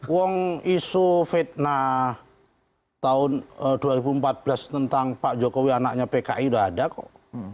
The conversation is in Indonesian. wong isu fitnah tahun dua ribu empat belas tentang pak jokowi anaknya pki udah ada kok